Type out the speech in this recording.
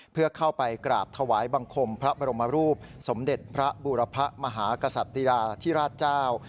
เพื่อเข้าไปกราบถวายบังคมพระบรมรูปสมเด็จพระบูรพะมหากษัตริดาที่ราชเจ้า